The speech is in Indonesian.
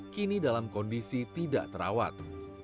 kini dalam kondisi tidak terawat